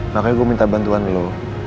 makanya gue minta bantuan lo